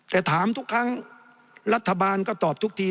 แต่ถามทุกครั้งรัฐบาลก็ตอบทุกที